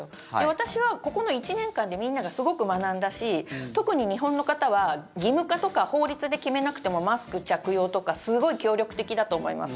私はここの１年間でみんながすごく学んだし特に日本の方は義務化とか法律で決めなくてもマスク着用とかすごい協力的だと思います。